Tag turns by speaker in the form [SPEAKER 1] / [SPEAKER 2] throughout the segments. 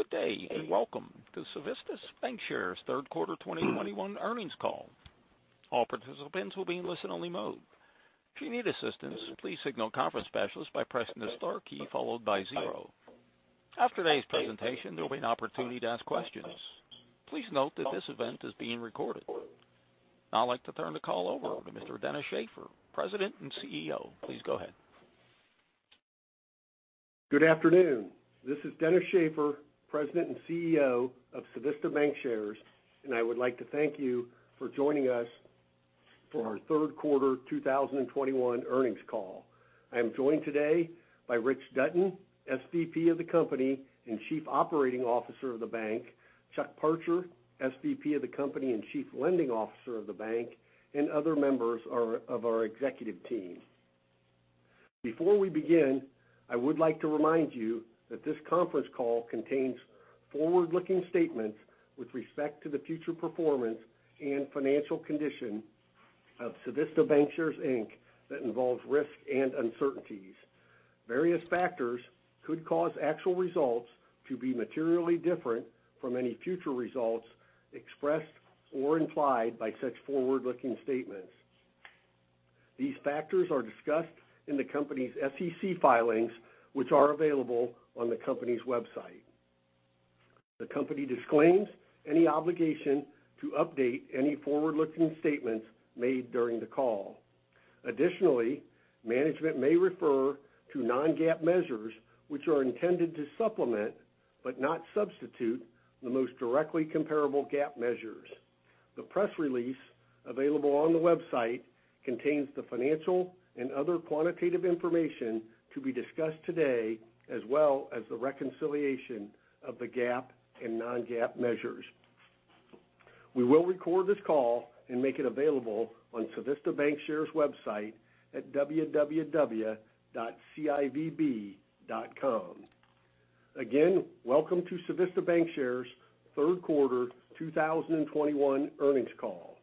[SPEAKER 1] Good day, and welcome to Civista Bancshares third quarter 2021 earnings call. All participants will be in listen-only mode. If you need assistance, please signal conference specialist by pressing the star key followed by zero. After today's presentation, there'll be an opportunity to ask questions. Please note that this event is being recorded. I'd like to turn the call over to Mr. Dennis Shaffer, President and CEO. Please go ahead.
[SPEAKER 2] Good afternoon. This is Dennis Shaffer, President and CEO of Civista Bancshares, and I would like to thank you for joining us for our third quarter 2021 earnings call. I am joined today by Rich Dutton, SVP of the company and Chief Operating Officer of the bank, Chuck Parcher, SVP of the company and Chief Lending Officer of the bank, and other members of our executive team. Before we begin, I would like to remind you that this conference call contains forward-looking statements with respect to the future performance and financial condition of Civista Bancshares, Inc. that involves risks and uncertainties. Various factors could cause actual results to be materially different from any future results expressed or implied by such forward-looking statements. These factors are discussed in the company's SEC filings, which are available on the company's website. The company disclaims any obligation to update any forward-looking statements made during the call. Additionally, management may refer to non-GAAP measures which are intended to supplement, but not substitute, the most directly comparable GAAP measures. The press release available on the website contains the financial and other quantitative information to be discussed today, as well as the reconciliation of the GAAP and non-GAAP measures. We will record this call and make it available on Civista Bancshares website at www.civb.com. Again, welcome to Civista Bancshares third quarter 2021 earnings call.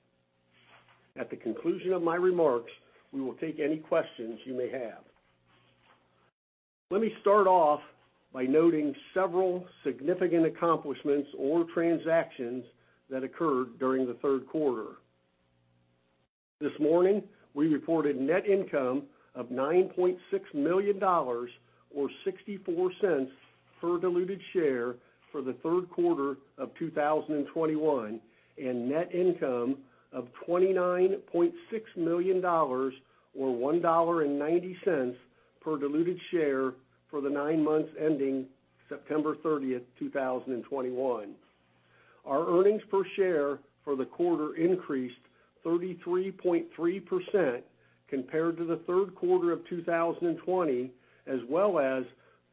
[SPEAKER 2] At the conclusion of my remarks, we will take any questions you may have. Let me start off by noting several significant accomplishments or transactions that occurred during the third quarter. This morning, we reported net income of $9.6 million or $0.64 per diluted share for the third quarter of 2021, and net income of $29.6 million or $1.90 per diluted share for the nine months ending September 30, 2021. Our earnings per share for the quarter increased 33.3% compared to the third quarter of 2020, as well as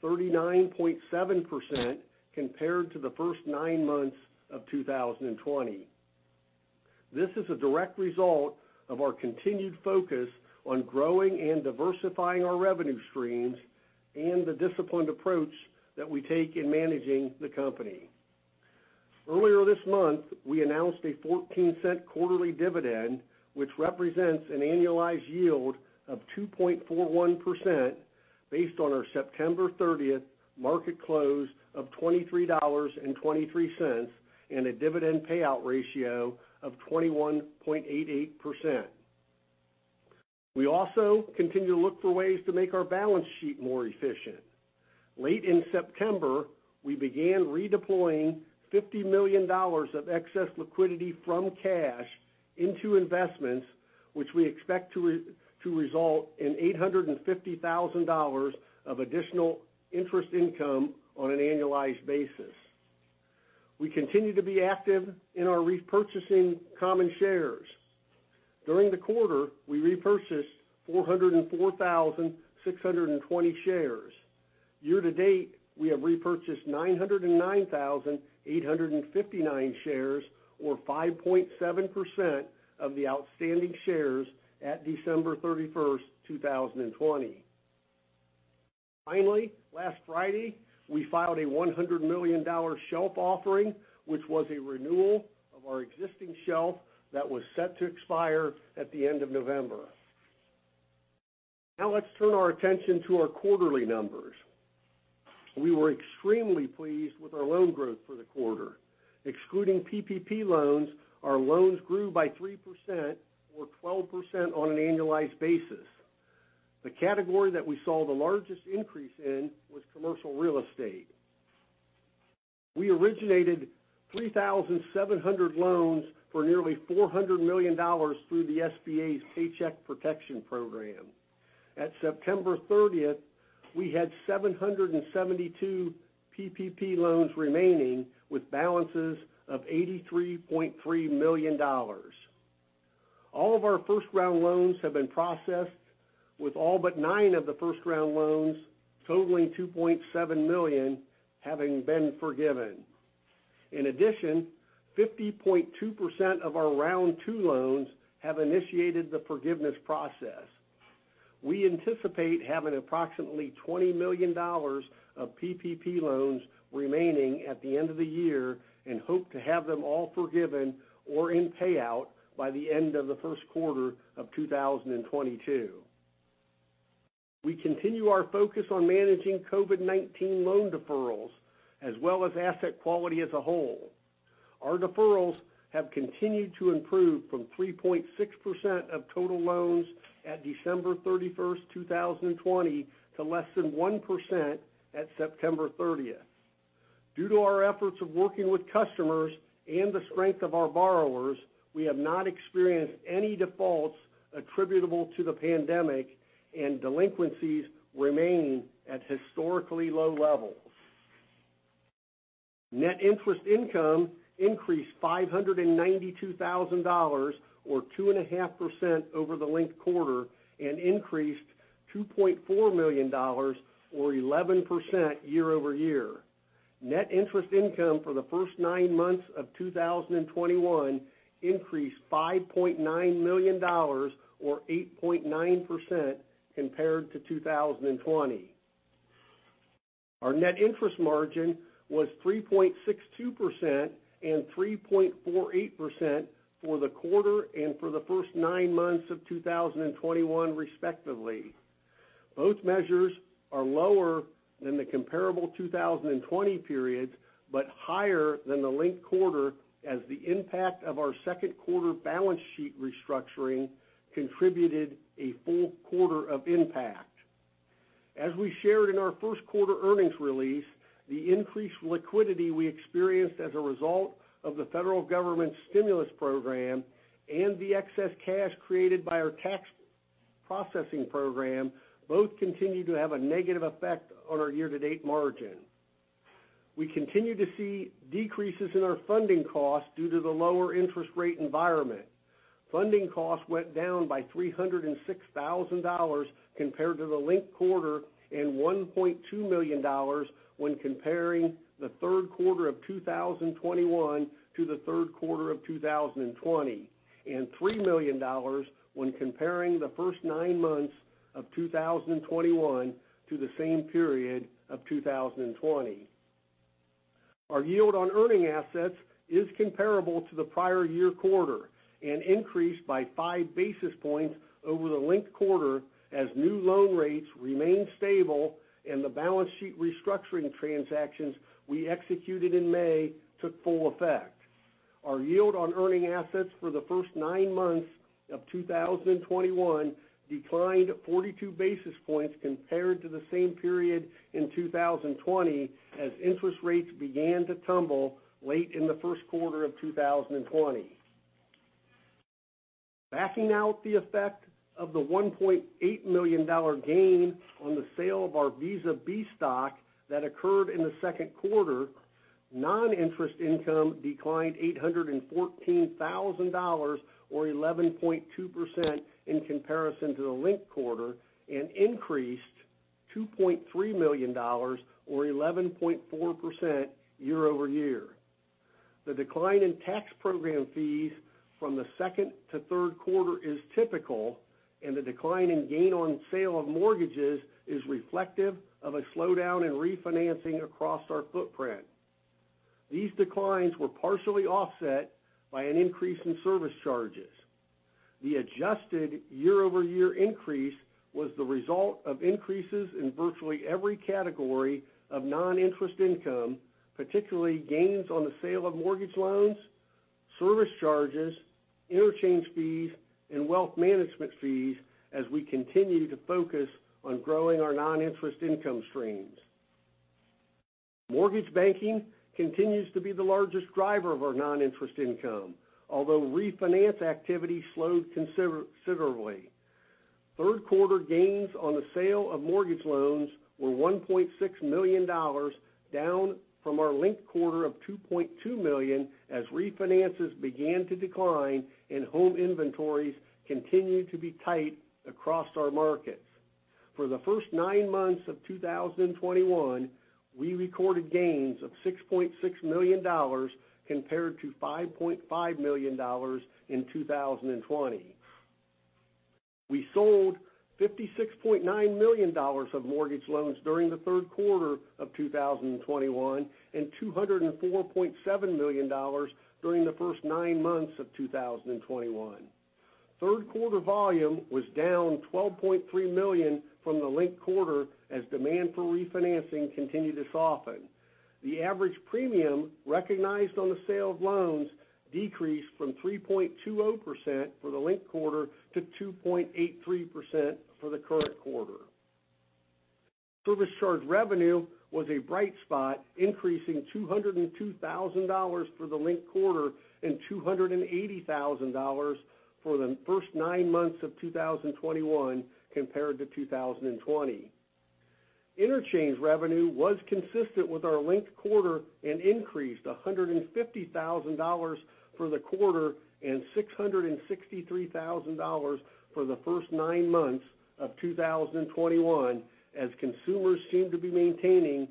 [SPEAKER 2] 39.7% compared to the first nine months of 2020. This is a direct result of our continued focus on growing and diversifying our revenue streams and the disciplined approach that we take in managing the company. Earlier this month, we announced a $0.14 quarterly dividend, which represents an annualized yield of 2.41% based on our September 30 market close of $23.23, and a dividend payout ratio of 21.88%. We also continue to look for ways to make our balance sheet more efficient. Late in September, we began redeploying $50 million of excess liquidity from cash into investments, which we expect to result in $850,000 of additional interest income on an annualized basis. We continue to be active in our repurchasing common shares. During the quarter, we repurchased 404,620 shares. Year to date, we have repurchased 909,859 shares, or 5.7% of the outstanding shares at December 31, 2020. Finally, last Friday, we filed a $100 million shelf offering, which was a renewal of our existing shelf that was set to expire at the end of November. Now let's turn our attention to our quarterly numbers. We were extremely pleased with our loan growth for the quarter. Excluding PPP loans, our loans grew by 3% or 12% on an annualized basis. The category that we saw the largest increase in was commercial real estate. We originated 3,700 loans for nearly $400 million through the SBA's Paycheck Protection Program. At September 30, we had 772 PPP loans remaining with balances of $83.3 million. All of our first-round loans have been processed, with all but nine of the first-round loans totaling $2.7 million having been forgiven. In addition, 50.2% of our round two loans have initiated the forgiveness process. We anticipate having approximately $20 million of PPP loans remaining at the end of the year and hope to have them all forgiven or in payout by the end of the first quarter of 2022. We continue our focus on managing COVID-19 loan deferrals as well as asset quality as a whole. Our deferrals have continued to improve from 3.6% of total loans at December 31, 2020, to less than 1% at September 30. Due to our efforts of working with customers and the strength of our borrowers, we have not experienced any defaults attributable to the pandemic, and delinquencies remain at historically low levels. Net interest income increased $592 thousand or 2.5% over the linked quarter and increased $2.4 million or 11% year-over-year. Net interest income for the first nine months of 2021 increased $5.9 million or 8.9% compared to 2020. Our net interest margin was 3.62% and 3.48% for the quarter and for the first nine months of 2021, respectively. Both measures are lower than the comparable 2020 periods, but higher than the linked quarter as the impact of our second quarter balance sheet restructuring contributed a full quarter of impact. As we shared in our first quarter earnings release, the increased liquidity we experienced as a result of the federal government's stimulus program and the excess cash created by our tax processing program both continued to have a negative effect on our year-to-date margin. We continue to see decreases in our funding costs due to the lower interest rate environment. Funding costs went down by $306,000 compared to the linked quarter and $1.2 million when comparing the third quarter of 2021 to the third quarter of 2020, and $3 million when comparing the first 9 months of 2021 to the same period of 2020. Our yield on earning assets is comparable to the prior year quarter and increased by 5 basis points over the linked quarter as new loan rates remained stable and the balance sheet restructuring transactions we executed in May took full effect. Our yield on earning assets for the first nine months of 2021 declined 42 basis points compared to the same period in 2020 as interest rates began to tumble late in the first quarter of 2020. Backing out the effect of the $1.8 million gain on the sale of our Visa B stock that occurred in the second quarter, non-interest income declined $814,000 or 11.2% in comparison to the linked quarter and increased $2.3 million or 11.4% year-over-year. The decline in tax program fees from the second to third quarter is typical, and the decline in gain on sale of mortgages is reflective of a slowdown in refinancing across our footprint. These declines were partially offset by an increase in service charges. The adjusted year-over-year increase was the result of increases in virtually every category of non-interest income, particularly gains on the sale of mortgage loans, service charges, interchange fees, and wealth management fees as we continue to focus on growing our non-interest income streams. Mortgage banking continues to be the largest driver of our non-interest income, although refinance activity slowed considerably. Third quarter gains on the sale of mortgage loans were $1.6 million, down from our linked quarter of $2.2 million as refinances began to decline and home inventories continued to be tight across our markets. For the first nine months of 2021, we recorded gains of $6.6 million compared to $5.5 million in 2020. We sold $56.9 million of mortgage loans during the third quarter of 2021 and $204.7 million during the first nine months of 2021. Third quarter volume was down $12.3 million from the linked quarter as demand for refinancing continued to soften. The average premium recognized on the sale of loans decreased from 3.20% for the linked quarter to 2.83% for the current quarter. Service charge revenue was a bright spot, increasing $202 thousand for the linked quarter and $280 thousand for the first nine months of 2021 compared to 2020. Interchange revenue was consistent with our linked quarter and increased $150,000 for the quarter and $663,000 for the first nine months of 2021, as consumers seem to be maintaining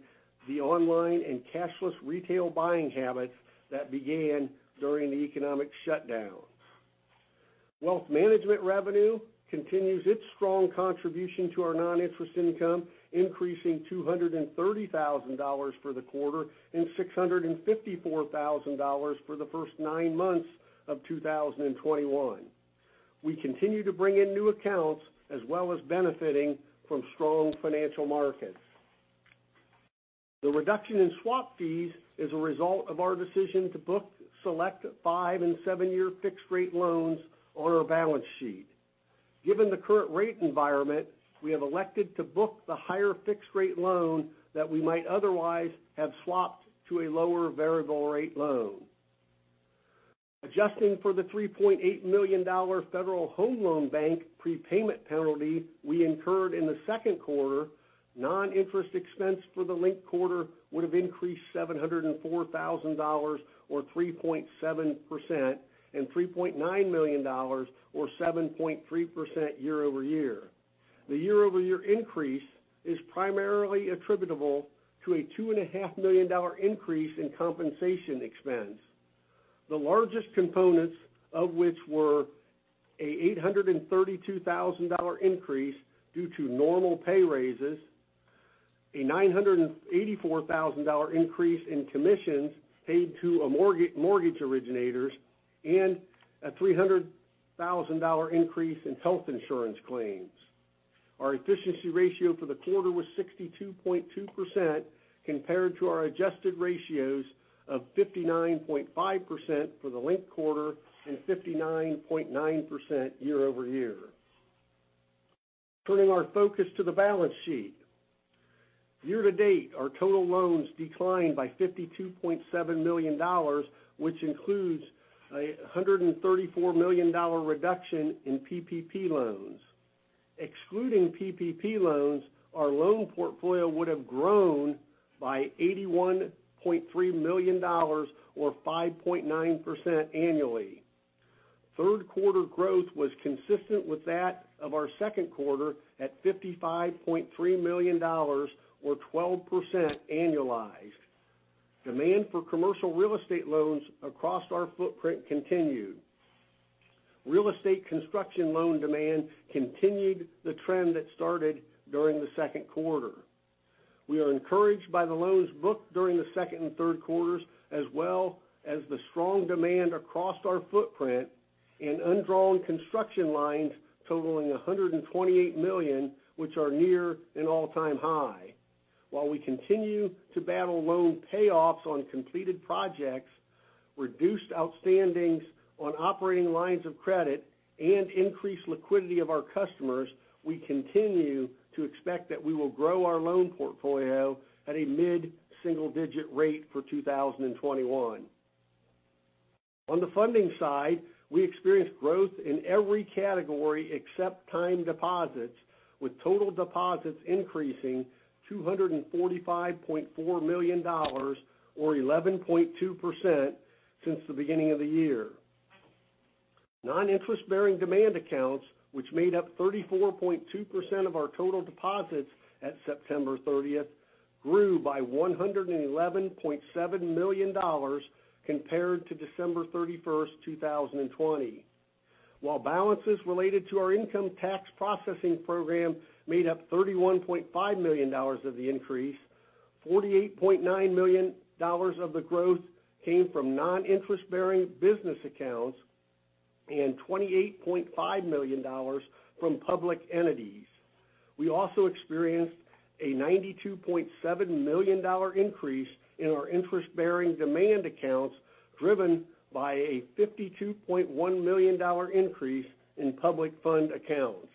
[SPEAKER 2] the online and cashless retail buying habits that began during the economic shutdown. Wealth management revenue continues its strong contribution to our non-interest income, increasing $230,000 for the quarter and $654,000 for the first nine months of 2021. We continue to bring in new accounts as well as benefiting from strong financial markets. The reduction in swap fees is a result of our decision to book select 5- and 7-year fixed-rate loans on our balance sheet. Given the current rate environment, we have elected to book the higher fixed-rate loan that we might otherwise have swapped to a lower variable rate loan. Adjusting for the $3.8 million Federal Home Loan Bank prepayment penalty we incurred in the second quarter, non-interest expense for the linked quarter would have increased $704,000 or 3.7%, and $3.9 million or 7.3% year-over-year. The year-over-year increase is primarily attributable to a $2.5 million increase in compensation expense, the largest components of which were an $832,000 increase due to normal pay raises, a $984,000 increase in commissions paid to mortgage originators, and a $300,000 increase in health insurance claims. Our efficiency ratio for the quarter was 62.2% compared to our adjusted ratios of 59.5% for the linked quarter and 59.9% year-over-year. Turning our focus to the balance sheet. Year to date, our total loans declined by $52.7 million, which includes a $134 million reduction in PPP loans. Excluding PPP loans, our loan portfolio would have grown by $81.3 million or 5.9% annually. Third quarter growth was consistent with that of our second quarter at $55.3 million or 12% annualized. Demand for commercial real estate loans across our footprint continued. Real estate construction loan demand continued the trend that started during the second quarter. We are encouraged by the loans booked during the second and third quarters, as well as the strong demand across our footprint in undrawn construction lines totaling $128 million, which are near an all-time high. While we continue to battle loan payoffs on completed projects, reduced outstandings on operating lines of credit and increased liquidity of our customers, we continue to expect that we will grow our loan portfolio at a mid-single-digit rate for 2021. On the funding side, we experienced growth in every category except time deposits, with total deposits increasing $245.4 million or 11.2% since the beginning of the year. Non-interest-bearing demand accounts, which made up 34.2% of our total deposits at September 30, grew by $111.7 million compared to December 31, 2020. While balances related to our income tax processing program made up $31.5 million of the increase, $48.9 million of the growth came from non-interest-bearing business accounts and $28.5 million from public entities. We also experienced a $92.7 million increase in our interest-bearing demand accounts, driven by a $52.1 million increase in public fund accounts.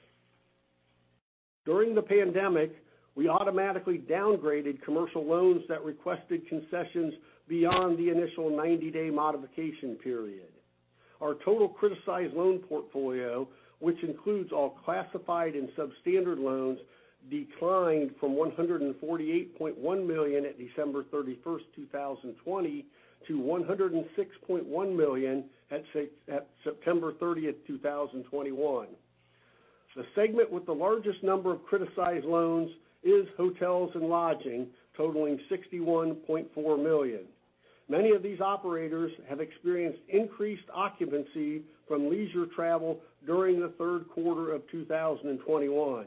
[SPEAKER 2] During the pandemic, we automatically downgraded commercial loans that requested concessions beyond the initial 90-day modification period. Our total criticized loan portfolio, which includes all classified and substandard loans, declined from $148.1 million at December 31, 2020 to $106.1 million at September 30, 2021. The segment with the largest number of criticized loans is hotels and lodging, totaling $61.4 million. Many of these operators have experienced increased occupancy from leisure travel during Q3 2021.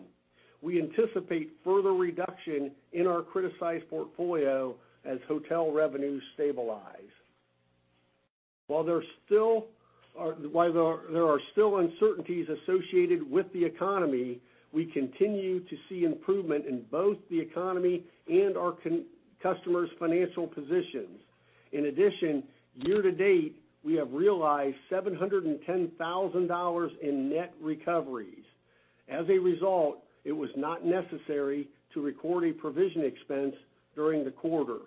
[SPEAKER 2] We anticipate further reduction in our criticized portfolio as hotel revenues stabilize. While there are still uncertainties associated with the economy, we continue to see improvement in both the economy and our customers' financial positions. In addition, year to date, we have realized $710,000 in net recoveries. As a result, it was not necessary to record a provision expense during the quarter.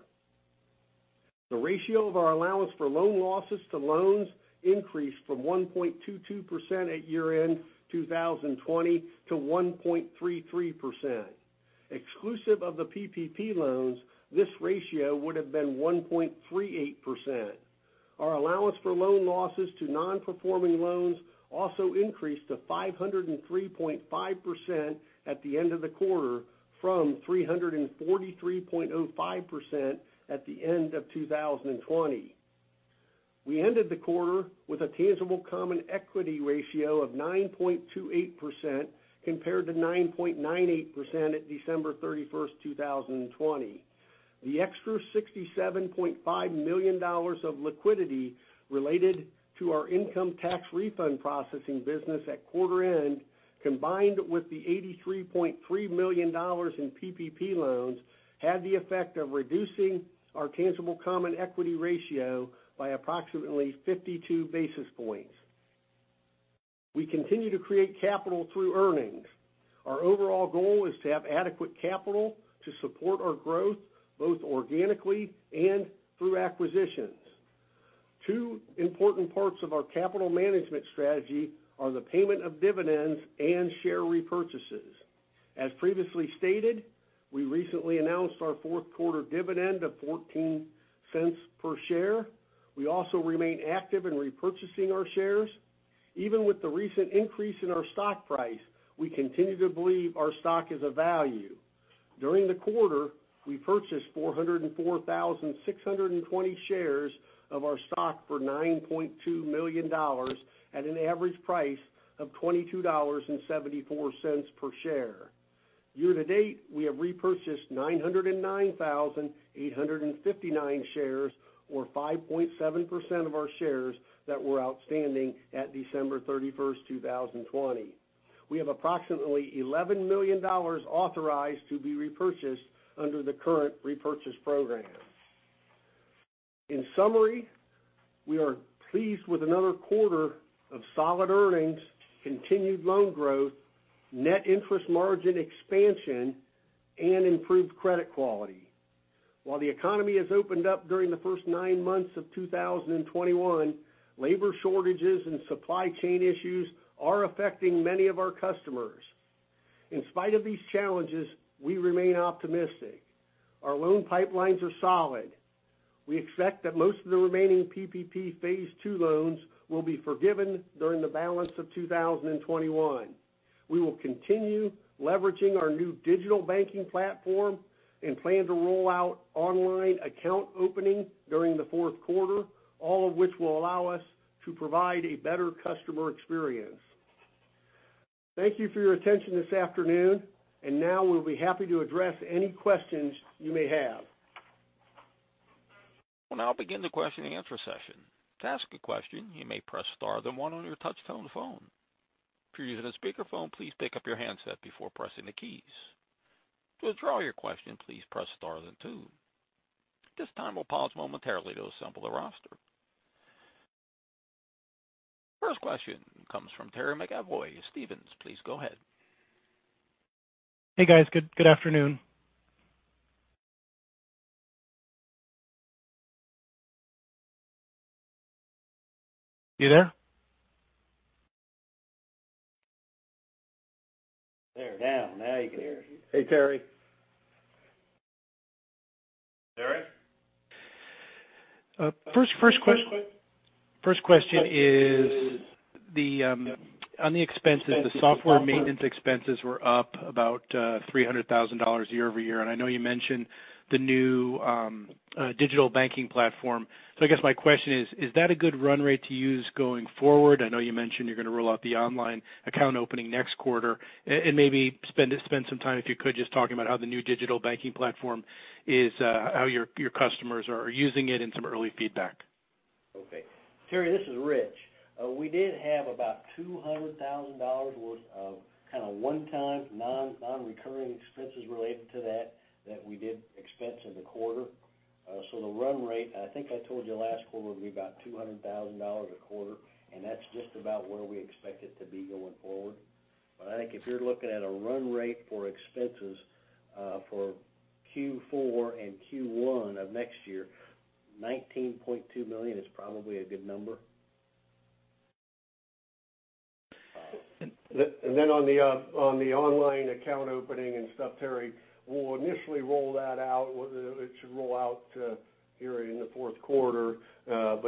[SPEAKER 2] The ratio of our allowance for loan losses to loans increased from 1.22% at year-end 2020 to 1.33%. Exclusive of the PPP loans, this ratio would have been 1.38%. Our allowance for loan losses to non-performing loans also increased to 503.5% at the end of the quarter from 343.05% at the end of 2020. We ended the quarter with a tangible common equity ratio of 9.28% compared to 9.98% at December 31, 2020. The extra $67.5 million of liquidity related to our income tax refund processing business at quarter end. Combined with the $83.3 million in PPP loans had the effect of reducing our tangible common equity ratio by approximately 52 basis points. We continue to create capital through earnings. Our overall goal is to have adequate capital to support our growth, both organically and through acquisitions. Two important parts of our capital management strategy are the payment of dividends and share repurchases. As previously stated, we recently announced our fourth quarter dividend of $0.14 per share. We also remain active in repurchasing our shares. Even with the recent increase in our stock price, we continue to believe our stock is a value. During the quarter, we purchased 404,620 shares of our stock for $9.2 million at an average price of $22.74 per share. Year to date, we have repurchased 909,859 shares, or 5.7% of our shares that were outstanding at December 31, 2020. We have approximately $11 million authorized to be repurchased under the current repurchase program. In summary, we are pleased with another quarter of solid earnings, continued loan growth, net interest margin expansion, and improved credit quality. While the economy has opened up during the first 9 months of 2021, labor shortages and supply chain issues are affecting many of our customers. In spite of these challenges, we remain optimistic. Our loan pipelines are solid. We expect that most of the remaining PPP Phase II loans will be forgiven during the balance of 2021. We will continue leveraging our new digital banking platform and plan to roll out online account opening during the fourth quarter, all of which will allow us to provide a better customer experience. Thank you for your attention this afternoon, and now we'll be happy to address any questions you may have.
[SPEAKER 1] We'll now begin the question and answer session. To ask a question, you may press star then one on your touchtone phone. If you're using a speakerphone, please pick up your handset before pressing the keys. To withdraw your question, please press star then two. At this time, we'll pause momentarily to assemble the roster. First question comes from Terry McEvoy, Stephens. Please go ahead.
[SPEAKER 3] Hey, guys. Good afternoon. You there?
[SPEAKER 2] There now, you can hear. Hey, Terry. Terry?
[SPEAKER 3] First question is on the expenses, the software maintenance expenses were up about $300,000 year-over-year, and I know you mentioned the new digital banking platform. I guess my question is that a good run rate to use going forward? I know you mentioned you're gonna roll out the online account opening next quarter, and maybe spend some time, if you could, just talking about how the new digital banking platform is, how your customers are using it and some early feedback.
[SPEAKER 4] Okay. Terry, this is Rich. We did have about $200,000 worth of kind of one-time non-recurring expenses related to that that we did expense in the quarter. So the run rate, I think I told you last quarter, would be about $200,000 a quarter, and that's just about where we expect it to be going forward. I think if you're looking at a run rate for expenses for Q4 and Q1 of next year, $19.2 million is probably a good number. On the online account opening and stuff, Terry, we'll initially roll that out. It should roll out here in the fourth quarter. We'll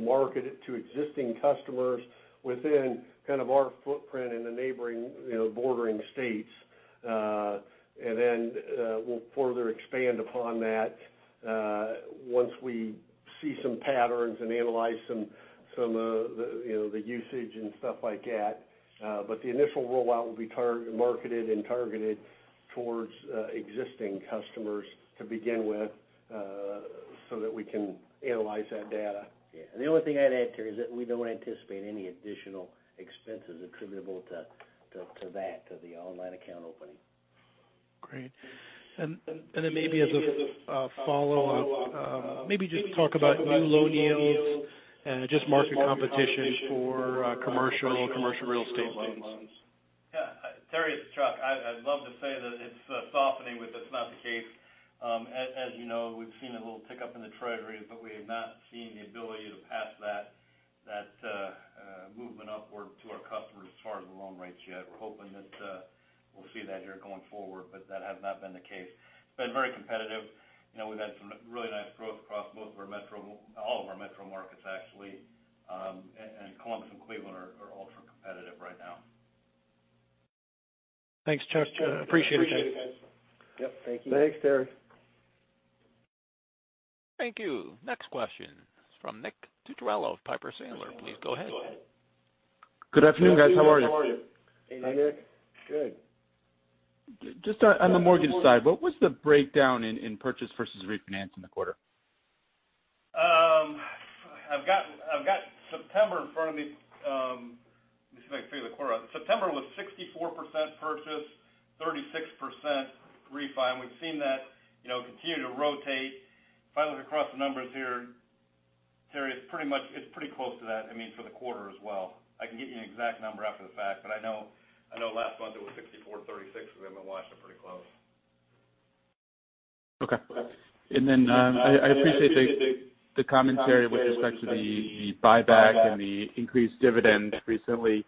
[SPEAKER 4] market it to existing customers within kind of our footprint in the neighboring, you know, bordering states. We'll further expand upon that once we see some patterns and analyze some of the, you know, the usage and stuff like that. The initial rollout will be marketed and targeted towards existing customers to begin with, so that we can analyze that data. Yeah. The only thing I'd add, Terry, is that we don't anticipate any additional expenses attributable to that, the online account opening.
[SPEAKER 3] Great. Then maybe as a follow-up, maybe just talk about new loan yields and just market competition for commercial and commercial real estate loans.
[SPEAKER 5] Yeah. Terry, it's Chuck. I'd love to say that it's softening, but that's not the case. As you know, we've seen a little tick-up in the Treasury, but we have not seen the ability to pass that movement upward to our customers as far as the loan rates yet. We're hoping that we'll see that here going forward, but that has not been the case. It's been very competitive. You know, we've had some really nice growth across both of our metro, all of our metro markets, actually. And Columbus and Cleveland are ultra-competitive right now.
[SPEAKER 3] Thanks, Chuck. Appreciate it, guys.
[SPEAKER 2] Yep. Thank you. Thanks, Terry.
[SPEAKER 1] Thank you. Next question from Nick Cucharale of Piper Sandler. Please go ahead.
[SPEAKER 6] Good afternoon, guys. How are you?
[SPEAKER 2] Hey, Nick. Good.
[SPEAKER 6] Just on the mortgage side, what was the breakdown in purchase versus refinance in the quarter?
[SPEAKER 5] I've got September in front of me. Let me see if I can figure the quarter out. September was 64% purchase, 36% refi. We've seen that, you know, continue to rotate. If I look across the numbers here, Terry, it's pretty much, it's pretty close to that, I mean, for the quarter as well. I can get you an exact number after the fact, but I know last month it was 64/36 because I've been watching it pretty close.
[SPEAKER 6] Okay. I appreciate the commentary with respect to the buyback and the increased dividend recently.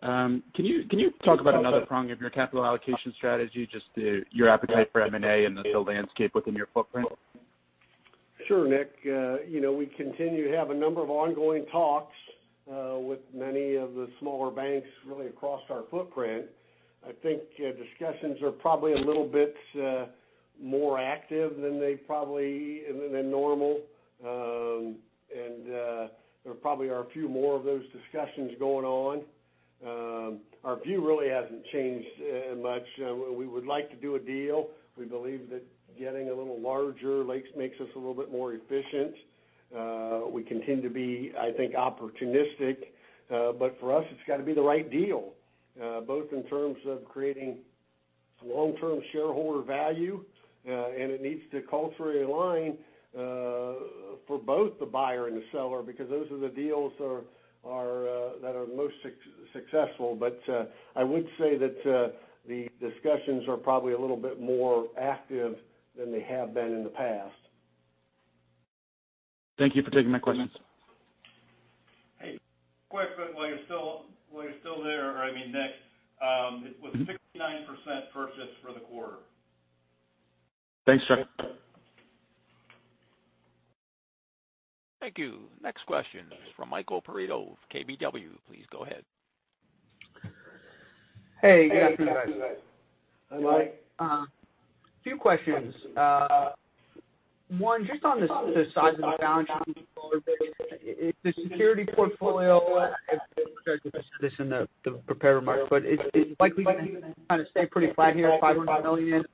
[SPEAKER 6] Can you talk about another prong of your capital allocation strategy, just your appetite for M&A and the deal landscape within your footprint?
[SPEAKER 2] Sure, Nick. You know, we continue to have a number of ongoing talks with many of the smaller banks really across our footprint. I think discussions are probably a little bit more active than normal. There probably are a few more of those discussions going on. Our view really hasn't changed much. We would like to do a deal. We believe that getting a little larger makes us a little bit more efficient. We continue to be, I think, opportunistic. But for us, it's got to be the right deal both in terms of creating some long-term shareholder value and it needs to culturally align for both the buyer and the seller, because those are the deals that are most successful. I would say that the discussions are probably a little bit more active than they have been in the past.
[SPEAKER 6] Thank you for taking my questions.
[SPEAKER 5] Hey, quick, but while you're still there, or I mean, Nick, it was 69% purchase for the quarter.
[SPEAKER 6] Thanks, Chuck.
[SPEAKER 1] Thank you. Next question is from Michael Perito of KBW. Please go ahead.
[SPEAKER 7] Hey, good afternoon, guys.
[SPEAKER 2] Hi, Mike.
[SPEAKER 7] Two questions. One, just on the size of the balance sheet a little bit. The security portfolio, I apologize if you said this in the prepared remarks, but is it likely to kind of stay pretty flat here at $500 million?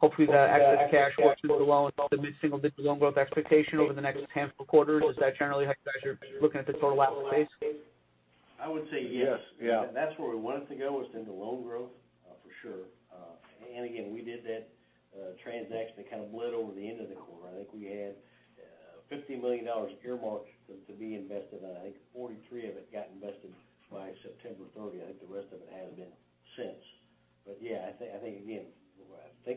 [SPEAKER 7] Hopefully, the excess cash works really well with the mid-single digit loan growth expectation over the next handful of quarters. Is that generally how you guys are looking at the total asset base?
[SPEAKER 4] I would say yes.
[SPEAKER 2] Yeah.
[SPEAKER 4] That's where we want it to go is into loan growth, for sure. Again, we did that transaction that kind of bled over the end of the quarter. I think we had $50 million earmarked to be invested, and I think $43 million of it got invested by September 30. I think the rest of it has been since. Yeah, I think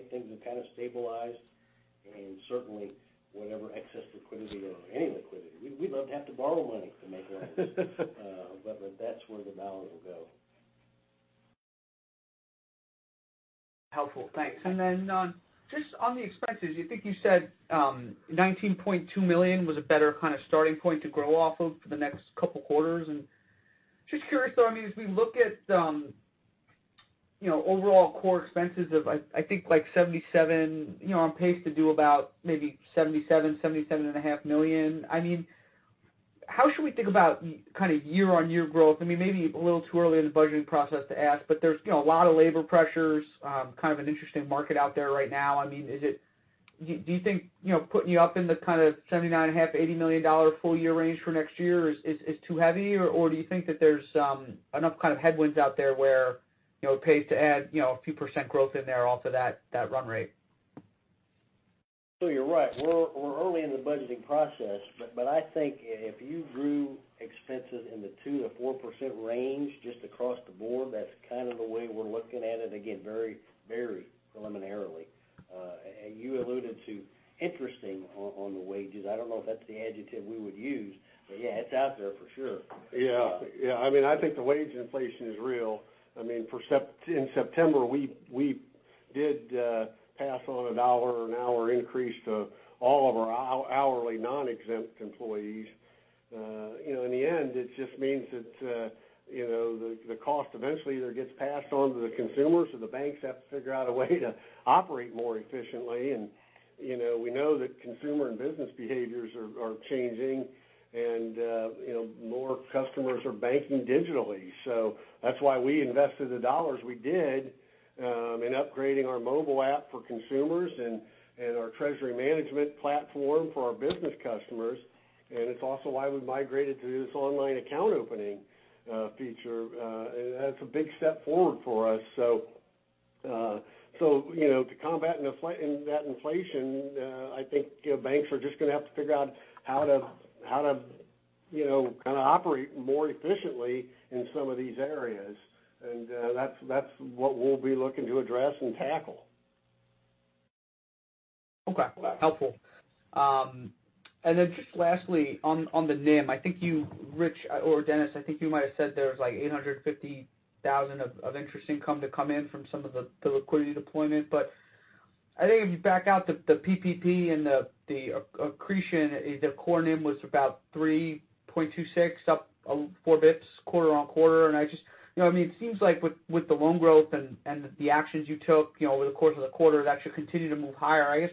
[SPEAKER 4] things have kind of stabilized and certainly whatever excess liquidity or any liquidity, we'd love to have to borrow money to make loans. That's where the balance will go.
[SPEAKER 7] Helpful. Thanks. Then, just on the expenses, I think you said $19.2 million was a better kind of starting point to grow off of for the next couple quarters. Just curious though, I mean, as we look at, you know, overall core expenses of, I think like $77 million, you know, on pace to do about maybe $77-$77.5 million. I mean, how should we think about kind of year-on-year growth? I mean, maybe a little too early in the budgeting process to ask, but there's, you know, a lot of labor pressures, kind of an interesting market out there right now. I mean, do you think, you know, putting you up in the kind of $79.5 million-$80 million full year range for next year is too heavy or do you think that there's enough kind of headwinds out there where, you know, it pays to add, you know, a few percent growth in there off of that run rate?
[SPEAKER 4] You're right. We're early in the budgeting process, but I think if you grew expenses in the 2%-4% range just across the board, that's kind of the way we're looking at it, again, very preliminarily. You alluded to interesting on the wages. I don't know if that's the adjective we would use, but yeah, it's out there for sure.
[SPEAKER 2] Yeah. Yeah. I mean, I think the wage inflation is real. I mean, for in September, we did pass on a $1 an hour increase to all of our hourly non-exempt employees. You know, in the end, it just means that you know, the cost eventually either gets passed on to the consumers or the banks have to figure out a way to operate more efficiently. You know, we know that consumer and business behaviors are changing and you know, more customers are banking digitally. That's why we invested the dollars we did in upgrading our mobile app for consumers and our treasury management platform for our business customers. It's also why we migrated to this online account opening feature. And that's a big step forward for us. To combat that inflation, I think, you know, banks are just going to have to figure out how to, you know, kind of operate more efficiently in some of these areas. That's what we'll be looking to address and tackle.
[SPEAKER 7] Okay. Helpful. Then just lastly, on the NIM, I think you, Rich or Dennis, might have said there was like $850,000 of interest income to come in from some of the liquidity deployment. I think if you back out the PPP and the accretion, the core NIM was about 3.26 up four basis points quarter-over-quarter. I just, you know, I mean, it seems like with the loan growth and the actions you took, you know, over the course of the quarter, that should continue to move higher. I guess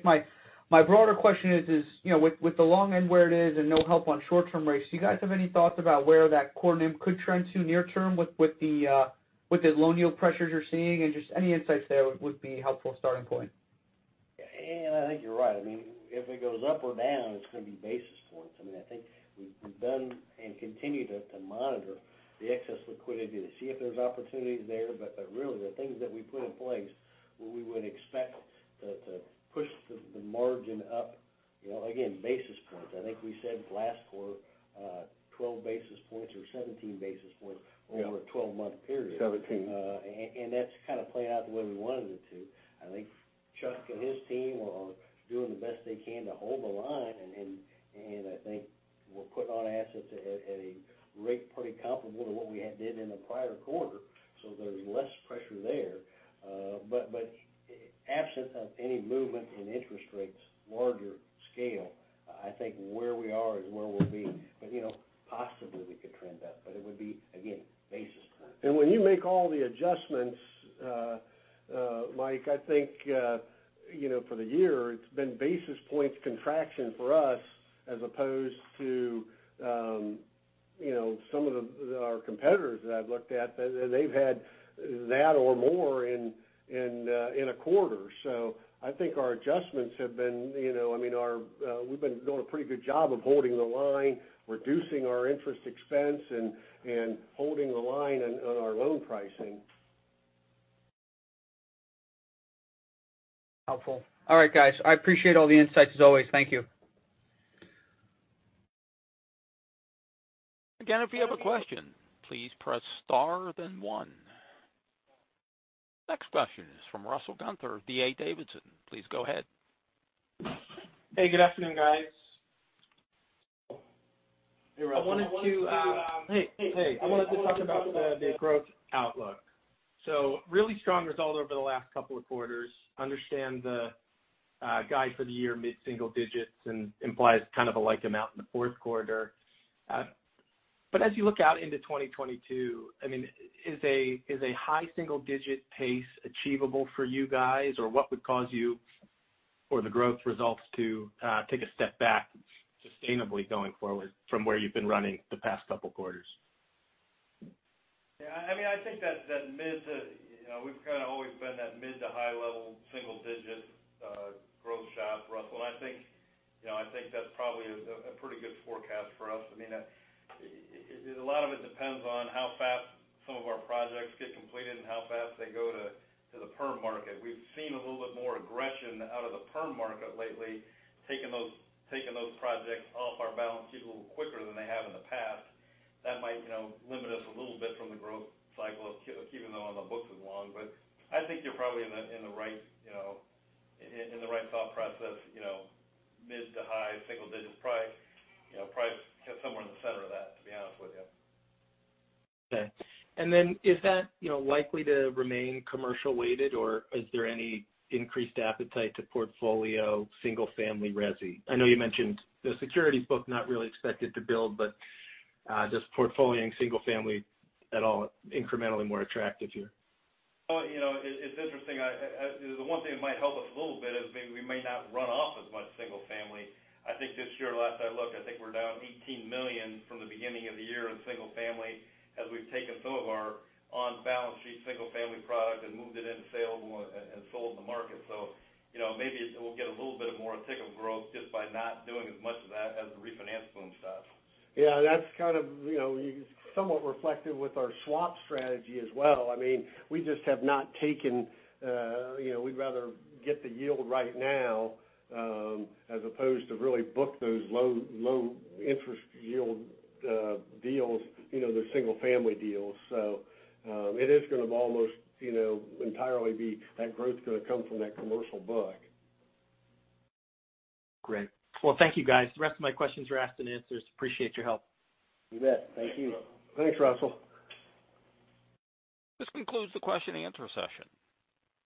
[SPEAKER 7] my broader question is, you know, with the long end where it is and no help on short-term rates, do you guys have any thoughts about where that core NIM could trend to near term with the loan yield pressures you're seeing? Just any insights there would be a helpful starting point.
[SPEAKER 4] I think you're right. I mean, if it goes up or down, it's gonna be basis points. I mean, I think we've done and continue to monitor the excess liquidity to see if there's opportunities there. But really, the things that we put in place, where we would expect to push the margin up, you know, again, basis points. I think we said last quarter, 12 basis points or 17 basis points.
[SPEAKER 2] Yeah
[SPEAKER 4] over a 12-month period.
[SPEAKER 2] Seventeen.
[SPEAKER 4] That's kinda played out the way we wanted it to. I think Chuck and his team are doing the best they can to hold the line. I think we're putting on assets at a rate pretty comparable to what we had did in the prior quarter, so there's less pressure there. Absent of any movement in interest rates, larger scale, I think where we are is where we'll be. You know, possibly we could trend up, but it would be, again, basis points.
[SPEAKER 2] When you make all the adjustments, Mike, I think, you know, for the year it's been basis points contraction for us as opposed to, you know, some of the, our competitors that I've looked at, that they've had that or more in a quarter. I think our adjustments have been, you know. I mean, our, we've been doing a pretty good job of holding the line, reducing our interest expense and holding the line on our loan pricing.
[SPEAKER 7] Helpful. All right, guys. I appreciate all the insights as always. Thank you.
[SPEAKER 1] Again, if you have a question, please press star then one. Next question is from Russell Gunther of D.A. Davidson. Please go ahead.
[SPEAKER 8] Hey, good afternoon, guys.
[SPEAKER 2] Hey, Russell.
[SPEAKER 8] I wanted to talk about the growth outlook. Really strong result over the last couple of quarters. Understand the guide for the year, mid-single digits and implies kind of a like amount in the fourth quarter. As you look out into 2022, I mean, is a high single digit pace achievable for you guys? What would cause you or the growth results to take a step back sustainably going forward from where you've been running the past couple quarters?
[SPEAKER 5] Yeah, I mean, I think. You know, we've kinda always been that mid to high level single digit growth shop, Russell. I think, you know, I think that's probably a pretty good forecast for us. I mean, a lot of it depends on how fast some of our projects get completed and how fast they go to the perm market. We've seen a little bit more aggression out of the perm market lately, taking those projects off our balance sheet a little quicker than they have in the past. That might, you know, limit us a little bit from the growth cycle, keeping them on the books as long. I think you're probably in the right thought process, you know, mid to high single digits.
[SPEAKER 4] Probably, you know, probably somewhere in the center of that, to be honest with you.
[SPEAKER 8] Okay. Is that, you know, likely to remain commercial weighted or is there any increased appetite to portfolio single-family resi? I know you mentioned the securities book not really expected to build, but just portfolio and single family at all incrementally more attractive here?
[SPEAKER 5] Well, you know, it's interesting. I. The one thing that might help us a little bit is maybe we may not run off as much single family. I think this year, last I looked, I think we're down $18 million from the beginning of the year in single family as we've taken some of our on balance sheet single family product and moved it into sale and sold in the market. You know, maybe it will get a little bit of more thick of growth just by not doing as much of that as the refinance boom stuff.
[SPEAKER 2] Yeah, that's kind of, you know, somewhat reflective with our swap strategy as well. I mean, we just have not taken, you know, we'd rather get the yield right now, as opposed to really book those low, low interest yield deals, you know, the single family deals. It is gonna almost, you know, entirely be that growth's gonna come from that commercial book.
[SPEAKER 8] Great. Well, thank you, guys. The rest of my questions are asked and answered. Appreciate your help.
[SPEAKER 5] You bet. Thank you.
[SPEAKER 2] Thanks, Russell.
[SPEAKER 1] This concludes the question and answer session.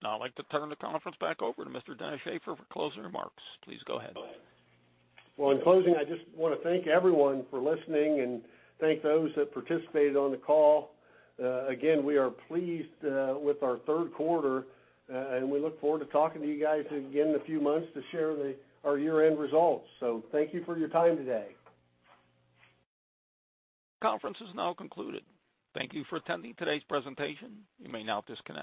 [SPEAKER 1] Now I'd like to turn the conference back over to Mr. Dennis Shaffer for closing remarks. Please go ahead.
[SPEAKER 2] Well, in closing, I just wanna thank everyone for listening and thank those that participated on the call. Again, we are pleased with our third quarter, and we look forward to talking to you guys again in a few months to share our year-end results. Thank you for your time today.
[SPEAKER 1] Conference is now concluded. Thank you for attending today's presentation. You may now disconnect.